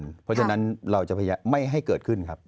เพราะฉะนั้นเราจะพยายามไม่ให้เกิดขึ้นครับ